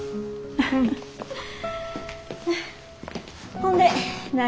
ほんで何？